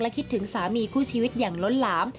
คิดถึงสามีคู่ชีวิตอย่างล้นหลาม